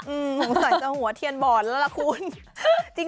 มีสัญญาณจากหัวเทียนบอร์นน่ะละคุณ